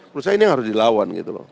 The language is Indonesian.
perlu saya ini harus dilawan gitu loh